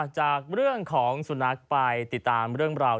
จากเรื่องของสุนัขไปติดตามเรื่องราว